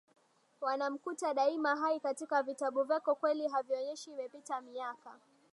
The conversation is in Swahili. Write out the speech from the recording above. wanamkuta daima hai katika vitabu vyake Kweli havionyeshi imepita miaka